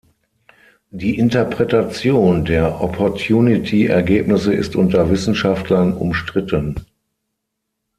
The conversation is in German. Die Interpretation der Opportunity-Ergebnisse ist unter Wissenschaftlern umstritten.